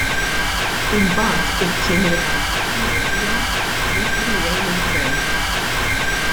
Imbagħad it-tieni lealtà tiegħu hija dik illi jgħin lill-Gvern.